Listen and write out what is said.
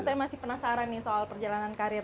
saya masih penasaran nih soal perjalanan karir